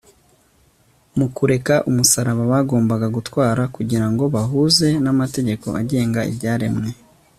mu kureka umusaraba bagombaga gutwara kugira ngo bahuze n'amategeko agenga ibyaremwe